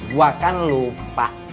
gua kan lupa